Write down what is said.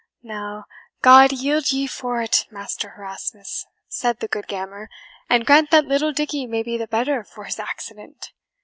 "Now, God yield ye for it, Master Herasmus," said the good Gammer, "and grant that little Dickie may be the better for his accident!